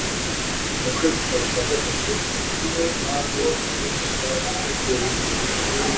Umutwe w'igitabo cya gatatu Mwami w'impeta Trilogy niyihe?